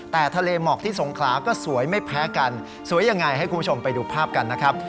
แต่ทะเลหมอกที่สงขลาก็สวยไม่แพ้กันสวยยังไงให้คุณผู้ชมไปดูภาพกันนะครับ